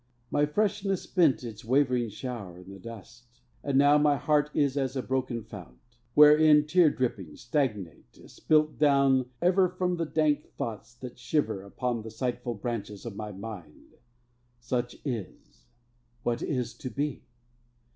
My freshness spent its wavering shower i' the dust; And now my heart is as a broken fount, Wherein tear drippings stagnate, spilt down ever From the dank thoughts that shiver Upon the sighful branches of my mind. Such is; what is to be?